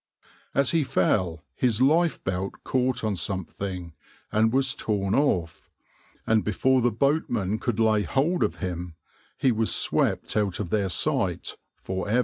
As he fell his lifebelt caught on something, and was torn off, and before the boatmen could lay hold of him he was swept out of their sight for ever.